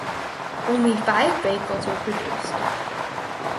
Only five vehicles were produced.